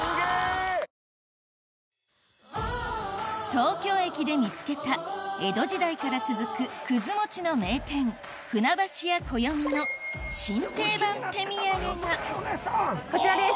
東京駅で見つけた江戸時代から続くくず餅の名店船橋屋こよみの新定番手土産がこちらです。